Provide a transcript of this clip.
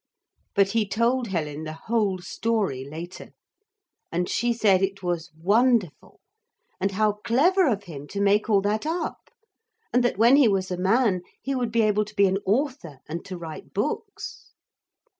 But he told Helen the whole story later, and she said it was wonderful, and how clever of him to make all that up, and that when he was a man he would be able to be an author and to write books.